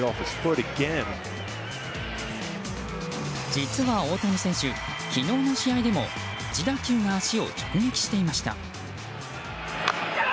実は大谷選手、昨日の試合でも自打球が足を直撃していました。